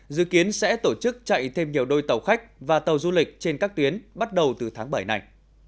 dự kiến sẽ tổ chức chạy thêm nhiều đôi tàu khách và tàu du lịch trên các tuyến bắt đầu từ tháng bảy này